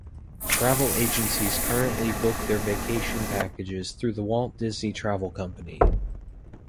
Travel agencies currently book their vacation packages through the Walt Disney Travel Company.